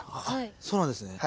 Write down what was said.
そうなんですね。